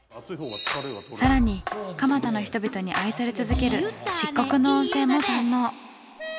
更に蒲田の人々に愛され続ける漆黒の温泉も堪能。